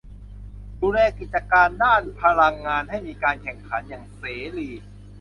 ดูแลกิจการด้านพลังงานให้มีการแข่งขันอย่างเสรี